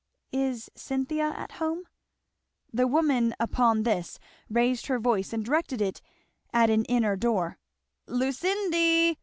"Is Cynthia at home?" The woman upon this raised her voice and directed it at an inner door. "Lucindy!"